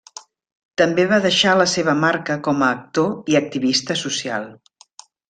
També va deixar la seva marca com a actor i activista social.